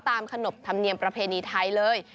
ขนบธรรมเนียมประเพณีไทยเลย